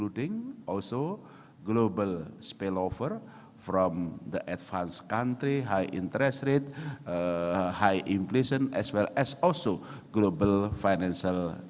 untuk perbelanjaan perjuangan lebih besar untuk integrasi finansial